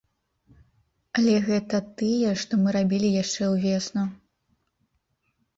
Але гэта тыя, што мы рабілі яшчэ ўвесну.